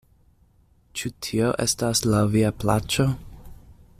Ĉu tio estas laŭ via plaĉo?